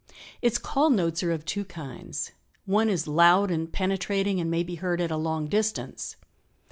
Its call notes are of two kinds. One is loud and penetrating and may be heard at a long distance.